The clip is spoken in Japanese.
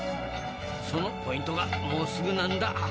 そのポイントがもうすぐなんだ。